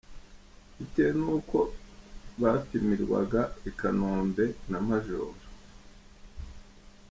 Bitewe n’uko bapimirwaga i Kanombe na Maj.